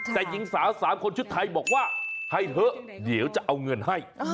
แต่หญิงสาว๓คนชุดไทยบอกว่าให้เถอะเดี๋ยวจะเอาเงินให้